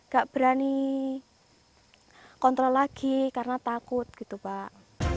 gak berani kontrol lagi karena takut gitu pak